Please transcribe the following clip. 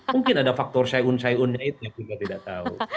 mungkin ada faktor syaiun syaiunnya itu yang juga tidak tahu